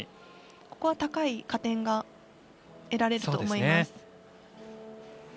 ここは高い加点が得られると思います。